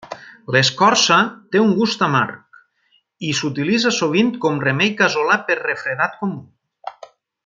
L'escorça té un gust amarg i s'utilitza sovint com remei casolà per refredat comú.